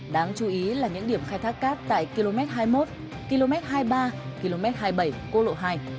đáng chú ý là những điểm khai thác cát tại km hai mươi một km hai mươi ba km hai mươi bảy quốc lộ hai